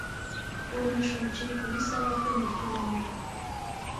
پوه نه شوم چې پولیسه وه که ملکي ماموره.